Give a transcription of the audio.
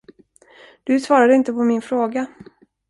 Du svarade inte på min fråga.